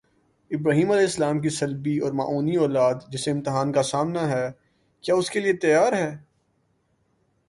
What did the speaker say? ابراہیمؑ کی صلبی اور معنوی اولاد، جسے امتحان کا سامنا ہے، کیا اس کے لیے تیار ہے؟